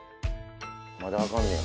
まだあかんねや。